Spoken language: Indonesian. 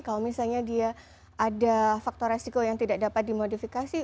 kalau misalnya dia ada faktor resiko yang tidak dapat dimodifikasi